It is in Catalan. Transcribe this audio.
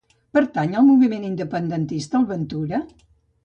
Pertany al moviment independentista el Ventura?